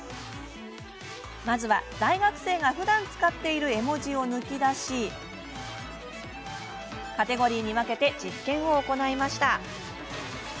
まずは、大学生がふだん使っている絵文字を抜き出しカテゴリーに分けて実験を行いました。